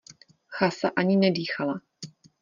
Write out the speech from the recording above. Chasa ani nedýchala.